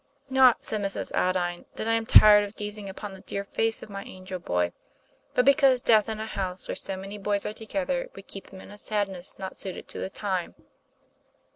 "Not," said Mrs. Aldine, "that I am tired of gazing upon the dear face of my angel boy, but TOM PLA YFAIR. 249 because death in a house where so many boys are together would keep them in a sadness not suited to the time."